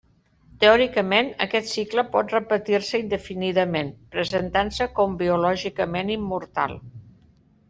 Teòricament, aquest cicle pot repetir-se indefinidament, presentant-se com biològicament immortal.